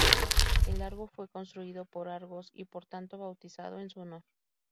El Argo fue construido por Argos, y por tanto bautizado en su honor.